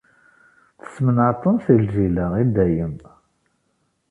Tessmenɛeḍ-ten si lǧil-a, i dayem.